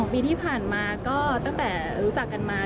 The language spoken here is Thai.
ปีที่ผ่านมาก็ตั้งแต่รู้จักกันมา